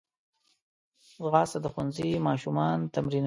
ځغاسته د ښوونځي ماشومان تمرینوي